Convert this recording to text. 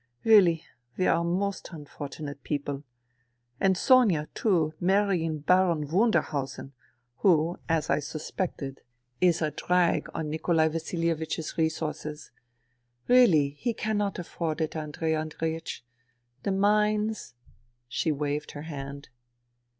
Really, we are most unfortunate people. ... And Sonia, too, marrying Baron Wunderhausen, who, as I suspected, is a drag 92 FUTILITY on Nikolai Vasilievich's resources. Really, he cannot afford it, Andrei Andreiech. The mines " She waved her hand.